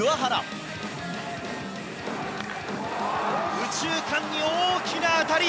右中間に大きな当たり。